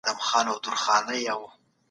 ايا زغم له غوسې څخه غوره دی؟